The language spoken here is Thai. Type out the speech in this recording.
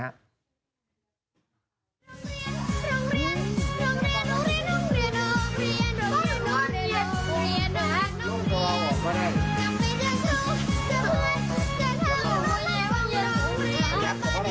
ปากมันก็ได้เห็นต้องความสูงเผื่อ